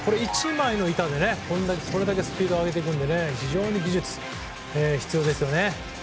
１枚の板でこれだけスピードを上げていくので非常に技術が必要ですね。